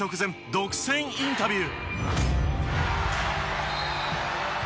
独占インタビュー。